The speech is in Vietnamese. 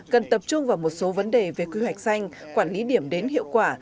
cần tập trung vào một số vấn đề về quy hoạch xanh quản lý điểm đến hiệu quả